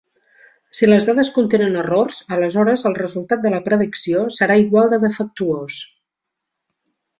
Si les dades contenen errors, aleshores el resultat de la predicció serà igual de defectuós.